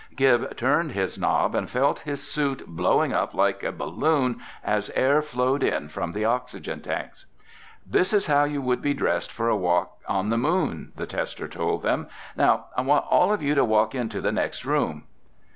Gib turned his knob and felt his suit blowing up like a balloon as air flowed in from the oxygen tanks. "This is how you would be dressed for a walk on the Moon," the tester told them. "Now I want all of you to walk into the next room."